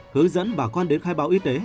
hướng dẫn bà con đến khai báo y tế